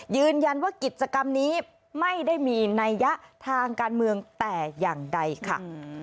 ยืนยันว่ากิจกรรมนี้ไม่ได้มีนัยยะทางการเมืองแต่อย่างใดค่ะ